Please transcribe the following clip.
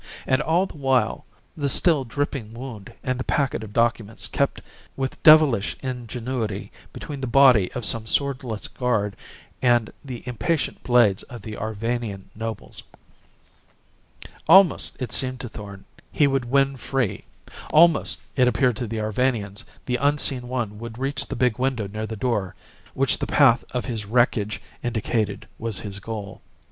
And all the while the still dripping wound and the packet of documents kept with devilish ingenuity between the body of some swordless guard and the impatient blades of the Arvanian nobles. Almost, it seemed to Thorn, he would win free. Almost, it appeared to the Arvanians, the unseen one would reach the big window near the door which the path of his wreckage indicated was his goal.